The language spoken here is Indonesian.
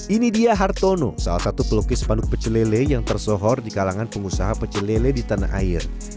ini dia hartono salah satu pelukis panduk pecelele yang tersohor di kalangan pengusaha pecelele di tanah air